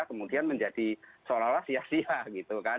kemudian menjadi seolah olah sia sia gitu kan